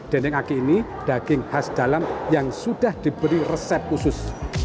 dendeng aki ini daging khas dalam yang sudah diberi resep khusus